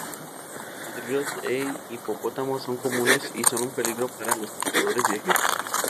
Cocodrilos e hipopótamos son comunes y son un peligro para los pescadores y viajeros.